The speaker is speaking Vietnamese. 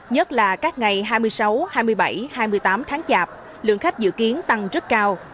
nhất là các ngày hai mươi sáu hai mươi bảy hai mươi tám tháng chạp lượng khách dự kiến tăng rất cao